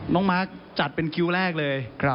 มาร์คจัดเป็นคิวแรกเลย